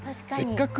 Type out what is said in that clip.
確かに。